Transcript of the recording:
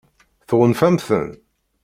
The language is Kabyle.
Tɣunfam-ten?